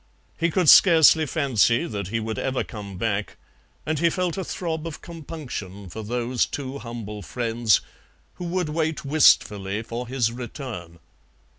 He could scarcely fancy that he would ever come back, and he felt a throb of compunction for those two humble friends who would wait wistfully for his return.